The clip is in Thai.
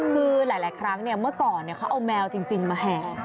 คือหลายครั้งเมื่อก่อนเขาเอาแมวจริงมาแห่